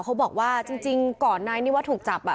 เขาบอกว่าจริงก่อนนายนิวัตรถูกจับ